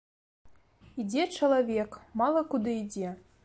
Ідзе чалавек, мала куды ідзе.